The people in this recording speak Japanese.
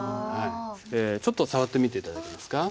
ちょっと触ってみて頂いていいですか？